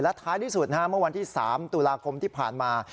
ท้ายที่สุดเมื่อวันที่๓ตุลาคมที่ผ่านมา